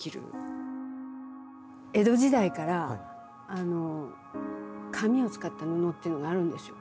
江戸時代から紙を使った布っていうのがあるんですよ。